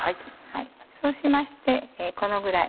そうしましてこのぐらい。